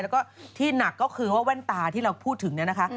แล้วก็ที่หนักก็คือว่าแว่นตาที่เราพูดถึงเนี่ยนะคะ